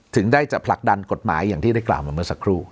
ถึงได้จะผลักดันกฎหมายอย่างที่ได้กล่าวมาเมื่อสักครู่